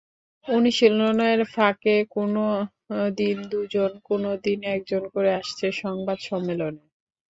অনুশীলনের ফাঁকে কোনো দিন দুজন, কোনো দিন একজন করে আসছেন সংবাদ সম্মেলনে।